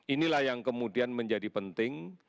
inilah yang kemudian menjadi penting